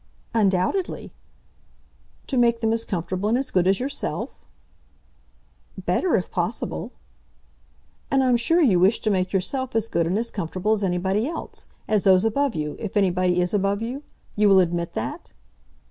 "Undoubtedly." "To make them as comfortable and as good as yourself?" "Better if possible." "And I'm sure you wish to make yourself as good and as comfortable as anybody else, as those above you, if anybody is above you? You will admit that?"